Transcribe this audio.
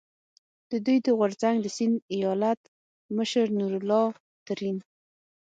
د دوی د غورځنګ د سیند ایالت مشر نور الله ترین،